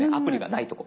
ないとこ。